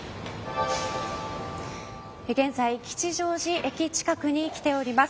現在、吉祥寺駅近くに来ております。